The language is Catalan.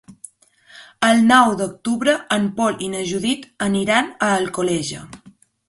El nou d'octubre en Pol i na Judit aniran a Alcoleja.